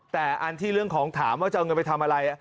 แต่อันที่เรื่องของถามว่าจะเอาเงินไปทำอะไร